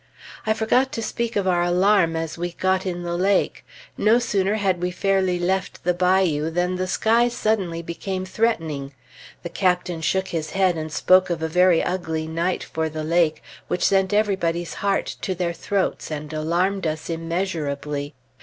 I forgot to speak of our alarm as we got in the lake. No sooner had we fairly left the bayou than the sky suddenly became threatening. The captain shook his head and spoke of a very ugly night for the lake, which sent everybody's heart to their throats, and alarmed us immeasurably.